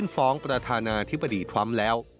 ฟ้องประธานาธิบดีความแล้ว